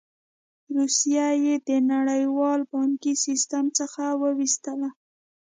روسیه یې د نړیوال بانکي سیستم څخه وویستله.